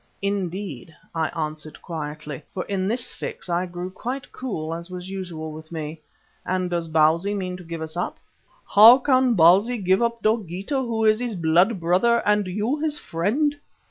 "Indeed," I answered quietly, for in this fix I grew quite cool as was usual with me. "And does Bausi mean to give us up?" "How can Bausi give up Dogeetah who is his blood brother, and you, his friend?"